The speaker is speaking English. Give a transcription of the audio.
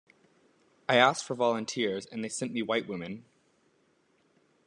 'I asked for volunteers and they sent me white women.